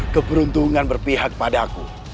keperuntungan berpihak padaku